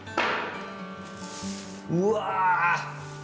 うわ！